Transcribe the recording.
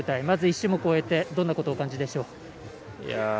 まず１種目終えてどんなことをお感じでしょうか。